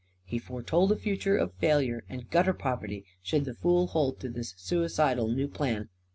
He foretold a future of failure and gutter poverty should the fool hold to this suicidal new plan.